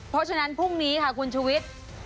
เพราะฉะนั้นพรุ่งนี้ค่ะคุณชุวิต